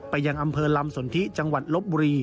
ยังอำเภอลำสนทิจังหวัดลบบุรี